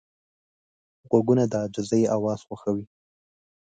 غوږونه د عاجزۍ اواز خوښوي